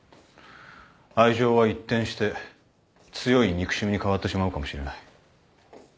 愛情は一転して強い憎しみに変わってしまうかもしれない。